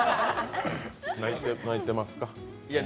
泣いてますか？